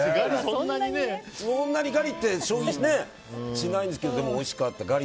そんなにガリって消費しないんですけどでもおいしかった。